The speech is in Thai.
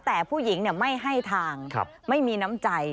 แต่ผู้หญิงไม่ให้ทางไม่มีน้ำใจ